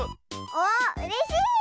おっうれしい！